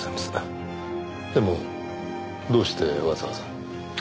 でもどうしてわざわざ？